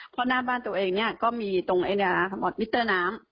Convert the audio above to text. เพราะหน้าบ้านตัวเองเนี้ยก็มีตรงเนี้ยทั้งหมดมิกเตอร์น้ำ